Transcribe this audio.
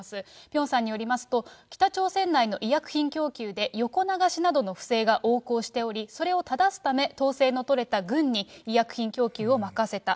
ピョンさんによりますと、北朝鮮内の医薬品供給で、横流しなどの不正が横行しており、それを正すため、統制の取れた軍に医薬品供給を任せた。